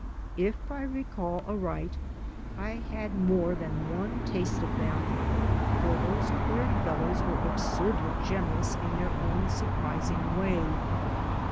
If I recall aright, I had more than one taste of them; for those THE FRUITS OF SOLITUDE queer fellows were absurdly generous in their own surprising way.